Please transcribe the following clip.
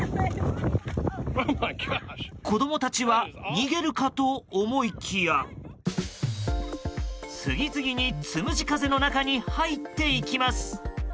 子供たちは逃げるかと思いきや次々に、つむじ風の中に入っていきます。